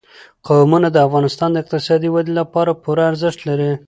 قومونه د افغانستان د اقتصادي ودې لپاره پوره ارزښت لري.